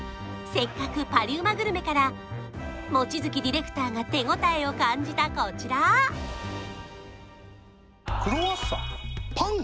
せっかくパリうまグルメから望月ディレクターが手応えを感じたこちらクロワッサン？